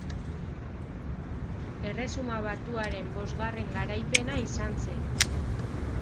Erresuma Batuaren bosgarren garaipena izan zen.